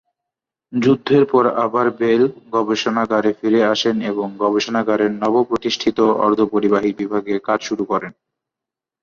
যুদ্ধের পর আবার বেল গবেষণাগারে ফিরে আসেন এবং গবেষণাগারের নব প্রতিষ্ঠিত অর্ধপরিবাহী বিভাগে কাজ শুরু করেন।